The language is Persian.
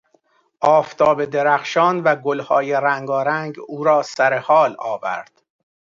آفتاب درخشان و گلهای رنگارنگ او را سرحال آورد.